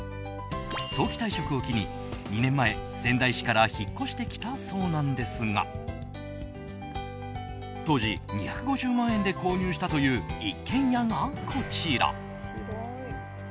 早期退職を機に、２年前仙台市から引っ越してきたそうなんですが当時、２５０万円で購入したという一軒家がこちら。